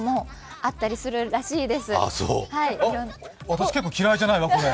あっ、私、結構嫌いじゃないわ、これ。